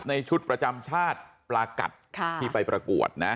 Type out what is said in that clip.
ในชุดประจำชาติปลากัดที่ไปประกวดนะ